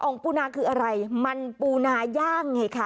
ปูนาคืออะไรมันปูนาย่างไงคะ